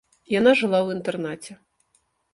Яна жыла ў інтэрнаце.